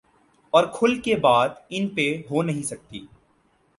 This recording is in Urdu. اورکھل کے بات ان پہ ہو نہیں سکتی۔